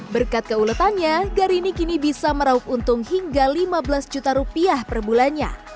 berkat keuletannya garini kini bisa meraup untung hingga lima belas juta rupiah per bulannya